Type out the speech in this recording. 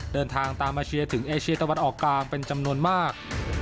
เดินทางตามมาเชียร์ถึงเอเชียตะวันออกกลางเป็นจำนวนมาก